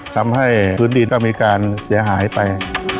ทำให้พื้นดินต้องมีการเสียหายไป